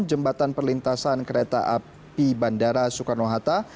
jembatan perlintasan kereta api bandara soekarno hatta